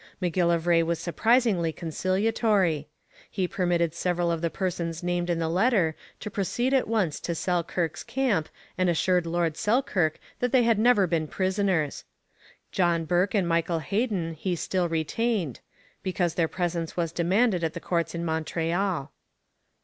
M'Gillivray was surprisingly conciliatory. He permitted several of the persons named in the letter to proceed at once to Selkirk's camp, and assured Lord Selkirk that they had never been prisoners. John Bourke and Michael Heden he still retained, because their presence was demanded in the courts at Montreal.